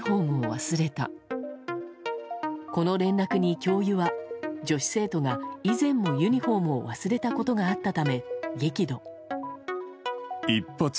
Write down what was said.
この連絡に教諭は女子生徒が以前もユニホームを忘れたことがあったため激怒。